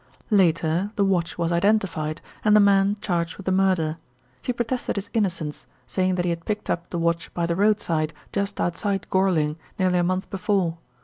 Later the watch was identified and the man charged with the murder. He protested his innocence, saying that he had picked up the watch by the roadside, just outside Gorling, nearly a month before.